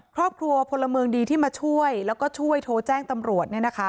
พลเมืองดีที่มาช่วยแล้วก็ช่วยโทรแจ้งตำรวจ